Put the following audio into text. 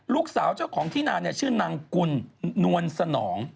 ลูกสาวเจ้าของที่นาเนี่ยชื่อนางกุลนวลสนอง